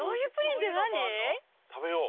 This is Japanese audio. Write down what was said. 食べよう。